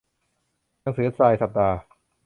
หนังสือรายสัปดาห์